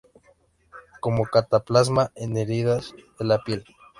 Como cataplasma en heridas de la piel.